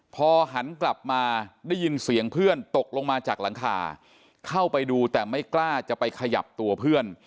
พอหันกลับมาได้ยินเสียงเพื่อนตกลงมาจากหลังคาเข้าไปดูแต่ไม่กล้าจะไปขยับตัวเพื่อน